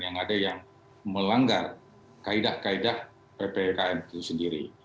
yang ada yang melanggar kaedah kaedah ppkm itu sendiri